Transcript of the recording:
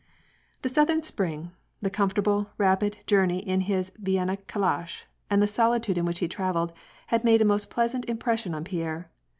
The southern spring, the comfortable, rapid journey in his Vienna calash, and the solitude in which he travelled, had made a most pleasant impression on Pierre.